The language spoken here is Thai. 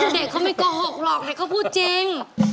เด็กเขาไม่โกหกหรอกเด็กเขาพูดจริง